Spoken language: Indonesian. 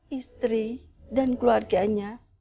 istri dan keluarganya